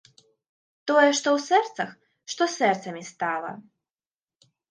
Тое, што ў сэрцах, што сэрцамі стала.